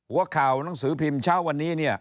หัวข่าวหนังสือพิมพ์เช้าวันนี้